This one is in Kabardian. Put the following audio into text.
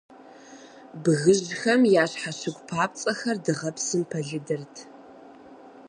Бгыжьхэм я щхьэщыгу папцӀэхэр дыгъэпсым пэлыдырт.